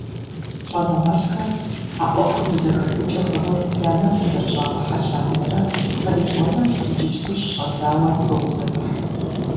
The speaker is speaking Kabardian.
ЩIэныгъэлIхэр, а Iуэхум и зэхэтыкIэ хъунур я нэгу къызэрыщIагъыхьэ лъандэрэ, кърикIуэнум иджыпсту щыщIэдзауэ тогузэвыхь.